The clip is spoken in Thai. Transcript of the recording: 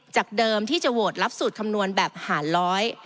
เดิมที่จะโหวตรับสูตรคำนวณแบบหารร้อย